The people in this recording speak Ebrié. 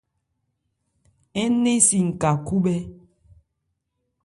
Ń nɛn si n-ka khúbhɛ́.